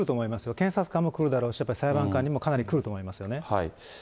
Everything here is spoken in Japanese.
検察官もくるだろうし、やっぱり裁判官にもかなりくるだろうと思いますね。